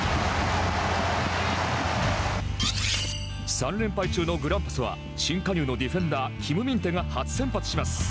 ３連敗中のグランパスは新加入のディフェンダーキム・ミンテが初先発します。